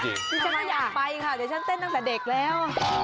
ดิฉันว่าอยากไปค่ะเดี๋ยวฉันเต้นตั้งแต่เด็กแล้ว